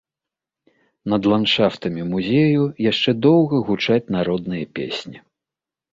Над ландшафтамі музею яшчэ доўга гучаць народныя песні.